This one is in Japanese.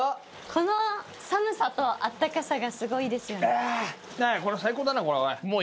この寒さとあったかさがすごいいいですよね。